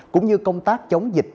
cũng như công tác chống dịch